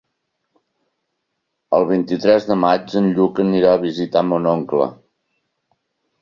El vint-i-tres de maig en Lluc anirà a visitar mon oncle.